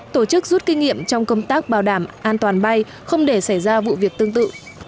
tổ chức rút kinh nghiệm trong công tác bảo đảm an toàn bay không để xảy ra vụ việc tương tự